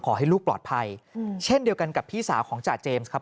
ขอให้ลูกปลอดภัยเช่นเดียวกันกับพี่สาวของจ่าเจมส์ครับ